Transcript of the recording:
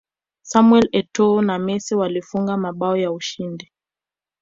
samuel etoo na messi walifunga mabao ya ushindi